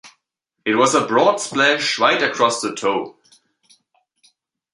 It was a broad splash right across the toe.